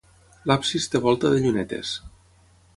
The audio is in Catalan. L'absis té volta de llunetes.